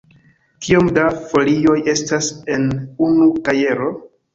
Kiom da folioj estas en unu kajero?